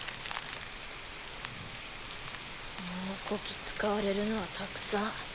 もうこき使われるのはたくさん。